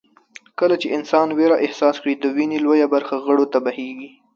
کله چې انسان وېره احساس کړي د وينې لويه برخه غړو ته بهېږي.